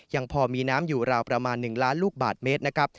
ยังพอมีน้ำอยู่ราวประมาณ๑ล้านลูกบาทเมตรนะครับ